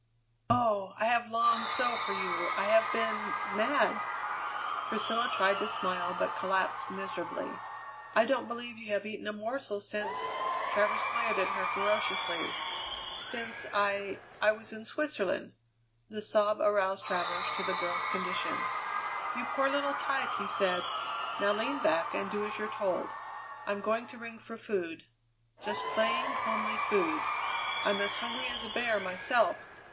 "Oh! I have longed so for you! I have been mad!" Priscilla tried to smile, but collapsed miserably. "I don't believe you have eaten a morsel since " Travers glared at her ferociously. "Since I I was in Switzerland." The sob aroused Travers to the girl's condition. "You poor little tyke!" he said. "Now lean back and do as you're told. I'm going to ring for food. Just plain, homely food. I'm as hungry as a bear myself.